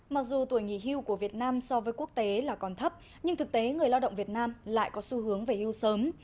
mặc dù tuổi nghỉ hưu của việt nam so với quốc tế là còn thấp nhưng thực tế người lao động việt nam lại có xu hướng về hưu sớm